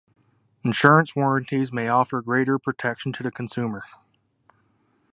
Insurance warranties may offer greater protection to the consumer.